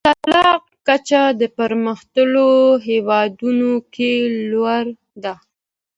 د طلاق کچه د پرمختللو هیوادونو کي لوړه ده.